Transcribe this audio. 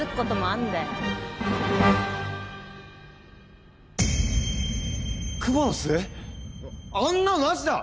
あんなのなしだ！